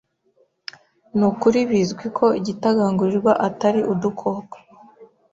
Nukuri bizwi ko igitagangurirwa atari udukoko.